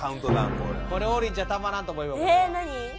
これこれ王林ちゃんたまらんと思うよえっ何？